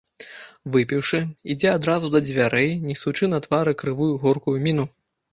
Выпіўшы, ідзе адразу да дзвярэй, несучы на твары крывую горкую міну.